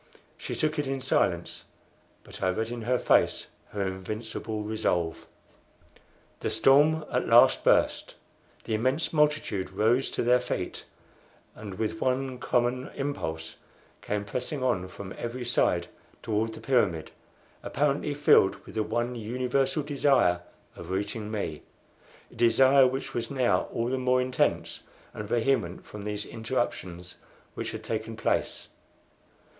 She took it in silence, but I read in her face her invincible resolve. The storm at last burst. The immense multitude rose to their feet, and with one common impulse came pressing on from every side toward the pyramid, apparently filled with the one universal desire of reaching me a desire which was now all the more intense and vehement from these interruptions which had taken place.